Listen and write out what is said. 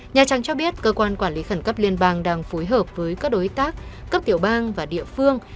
nhà trang cho biết cơ quan quản lý khẩn cấp liên bang đang phối hợp với các đối tác cấp tiểu bang và địa phương